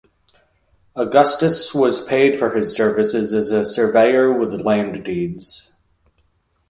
Augustus was paid for his services as a surveyor with land deeds.